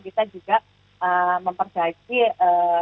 kita juga memperdaya